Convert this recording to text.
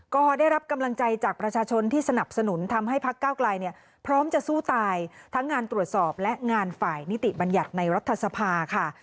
ก็ได้รับกำลังใจจากประชาชนที่สนับสนุนทำให้พักเก้าไกลเนี่ยพร้อมจะสู้ตายทั้งงานตรวจสอบและงานฝ่ายนิติบัญญัติในรัฐสภาค่ะ